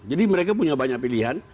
jadi mereka punya banyak pilihan